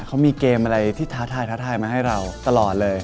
เขามีเกมอะไรที่ท้าทายท้าทายมาให้เราตลอดเลย